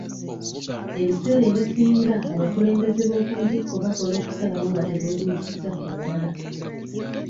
Ebiseera ebisinga abakulembeze b'oku ntikko bakola okusalawo nga tebeebuuzizza ku balala.